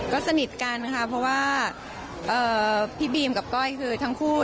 ก็สนิทกันค่ะเพราะว่าพี่บีมกับก้อยคือทั้งคู่